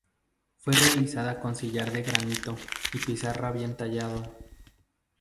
Fue realizada con sillar de granito y pizarra bien tallado.